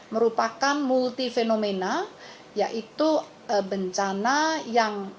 merupakan multi fenomena yaitu bencana yang